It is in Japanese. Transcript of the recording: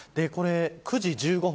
９時１５分